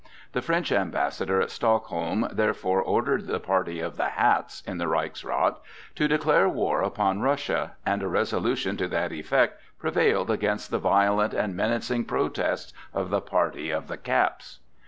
The French Ambassador at Stockholm therefore ordered the "party of the hats" in the Reichsrath to declare war upon Russia, and a resolution to that effect prevailed against the violent and menacing protests of the "party of the caps."